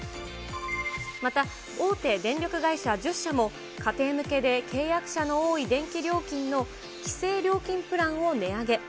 また大手電力会社１０社も、家庭向けで契約者の多い電気料金の規制料金プランを値上げ。